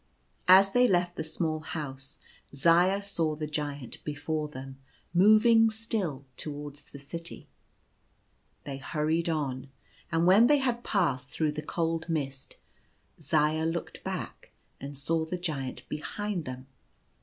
As they left the small house, Zaya saw the Giant before them, moving still towards the city. They hurried on ; and when they had passed through the cold mist, Zaya looked back, and saw the Giant behind them.